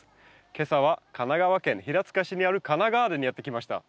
今朝は神奈川県平塚市にある花菜ガーデンにやって来ました。